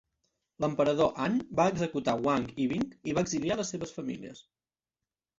L"emperador An va executar Wang i Bing i va exiliar les seves famílies.